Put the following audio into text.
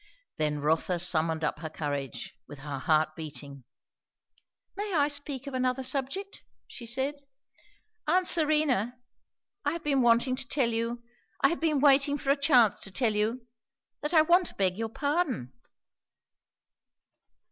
Then Rotha summoned up her courage, with her heart beating. "May I speak of another subject?" she said. "Aunt Serena, I have been wanting to tell you I have been waiting for a chance to tell you that I want to beg your pardon."